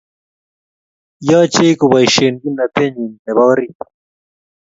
Yochei koboisie kimnatenyin nebo orit